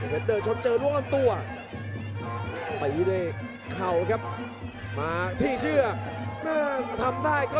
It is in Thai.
ไม่ยอมกันง่ายเลยครับธนาคติดตรี